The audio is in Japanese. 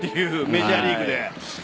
メジャーリーグで。